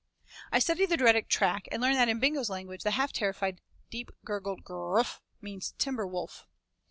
I studied the dreaded track and learned that in Bingo's language the half terrified, deep gurgled 'grr wff' means 'timber wolf.'